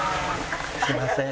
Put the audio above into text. すいません。